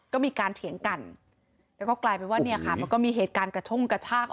ก็มีการเถียงกันแล้วก็กลายเป็นว่าเนี่ยค่ะมันก็มีเหตุการณ์กระช่งกระชาก